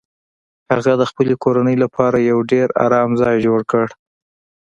هغه د خپلې کورنۍ لپاره یو ډیر ارام ځای جوړ کړ